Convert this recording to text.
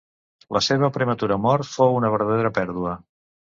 La seva prematura mort fou una verdadera pèrdua.